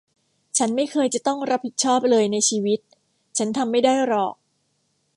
ฉันไม่เคยจะต้องรับผิดชอบเลยในชีวิต ฉันทำไม่ได้หรอก